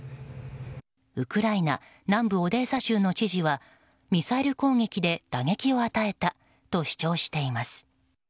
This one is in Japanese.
ウクライナ南部オデーサ州の知事はミサイル攻撃で打撃を与えたと主張しています。